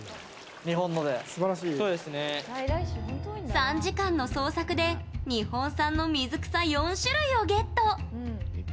３時間の捜索で日本産の水草４種類をゲット！